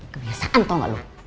kebiasaan tau gak lu